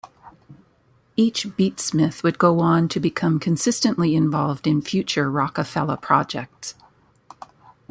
Each beat-smith would go on to become consistently involved in future Roc-A-Fella projects.